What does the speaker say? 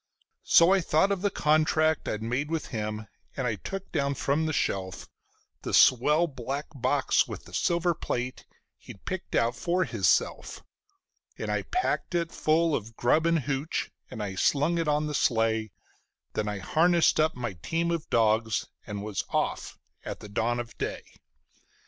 So I thought of the contract I'd made with him, and I took down from the shelf The swell black box with the silver plate he'd picked out for hisself; And I packed it full of grub and "hooch", and I slung it on the sleigh; Then I harnessed up my team of dogs and was off at dawn of day.